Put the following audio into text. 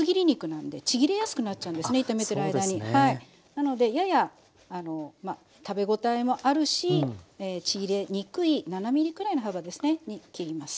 なのでやや食べごたえもあるしちぎれにくい７ｍｍくらいの幅ですねに切ります。